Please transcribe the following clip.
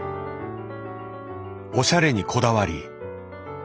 おしゃれにこだわり。